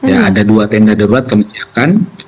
ada dua tenda darurat kami siapkan